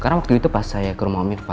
karena waktu itu pas saya ke rumah om irfan